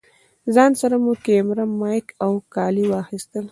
ځان سره مو کېمره، مايک او کالي واخيستل.